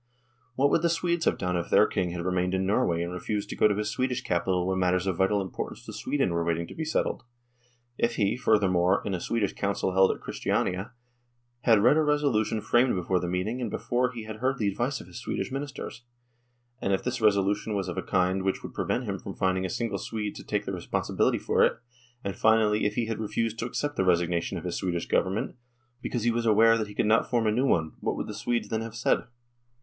What would the Swedes have done if their King had remained in Norway and refused to go to his Swedish capital when matters of vital importance to Sweden were waiting to be settled ? If he, further more, in a Swedish council held at Christiania, had read a resolution framed before the meeting and before he had heard the advice of his Swedish Ministers, and if this resolution was of a kind which would prevent him from finding a single Swede to take the respon sibility for it, and finally, if he had refused to accept the resignation of his Swedish Government because he was aware that he could not form a new one, what would the Swedes then have said